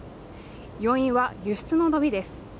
要因は輸出の伸びです